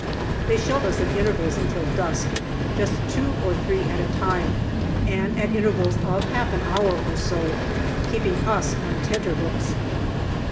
They shelled us at intervals until dusk, just two or three at a time, and at intervals of half an hour or so, keeping us on tenterhooks.